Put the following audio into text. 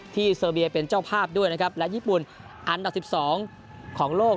เซอร์เบียเป็นเจ้าภาพด้วยนะครับและญี่ปุ่นอันดับ๑๒ของโลก